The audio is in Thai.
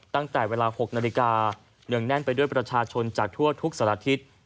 ตั้งแต่เวลา๖นาฬิกาเนื่องแน่นไปด้วยประชาชนจากทั่วทุกสารทิศ